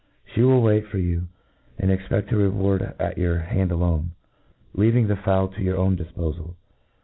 3h^ will wait fpr you, and exped her reward at your hand alone, kaving the fowl to your owii difpofal.